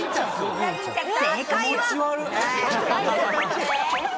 正解は。